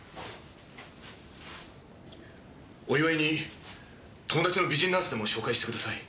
お祝いに友達の美人ナースでも紹介してください。